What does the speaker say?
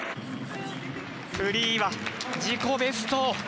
フリーは自己ベスト。